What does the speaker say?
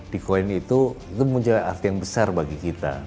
di coin itu menjagai arti yang besar bagi kita